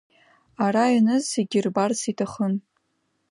Ара ианыз зегьы ирбарц иҭахын.